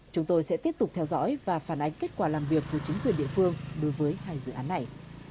chúng tôi sẽ tiếp tục theo dõi và phản ánh kết quả làm việc của chính quyền địa phương đối với hai dự án này